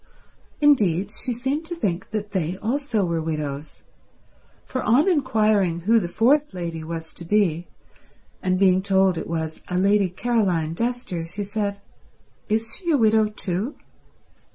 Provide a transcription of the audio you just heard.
Indeed, she seemed to think that they also were widows, for on inquiring who the fourth lady was to be, and being told it was a Lady Caroline Dester, she said, "Is she a widow too?"